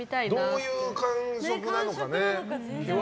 どういう感触なのかね。